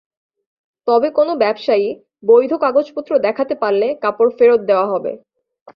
তবে কোনো ব্যবসায়ী বৈধ কাগজপত্র দেখাতে পারলে কাপড় ফেরত দেওয়া হবে।